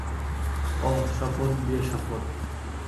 অহ, শপথ বিয়ের শপথ।